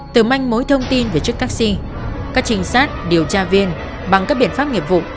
từ manh mối thông tin về chiếc taxi các trinh sát điều tra viên bằng các biện pháp nghiệp vụ